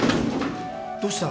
どうした？